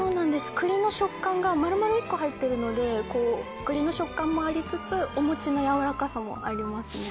栗の食感が丸々１個入ってるので栗の食感もありつつおもちの柔らかさもありますね。